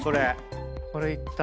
これいった。